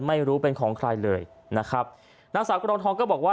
ไม่รู้เป็นของใครเลยนะครับนางสาวกรองทองก็บอกว่า